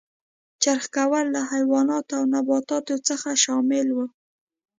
چرخ کول له حیواناتو او نباتاتو څخه شامل و.